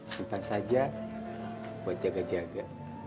simpan saja buat jaga jaga